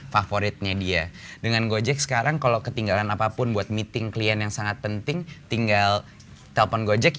favoritnya dia dengan gojek sekarang kalau ketinggalan apapun buat meeting klien yang sangat penting tinggal telpon gojek ya itu bisa dihubungi dengan anaknya